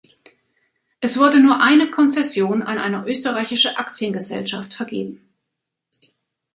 Es wurde nur eine Konzession an eine österreichische Aktiengesellschaft vergeben.